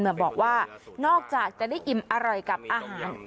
บอกว่านอกจากจะได้อิ่มอร่อยกับอาหาร